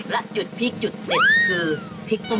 และจุดพริกจุดเด็ดคือพริกตุ้